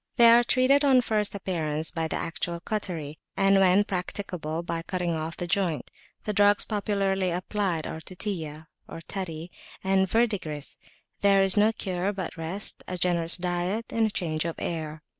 They are treated on first appearance by the actual cautery, and, when practicable, by cutting off the joint; the drugs popularly applied are Tutiya (tutty) and verdigris. There is no cure but rest, a generous diet, and change of air.